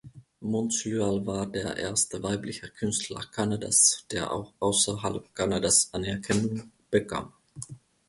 Muntz Lyall war der erste weibliche Künstler Kanadas, der auch außerhalb Kanadas Anerkennung bekam.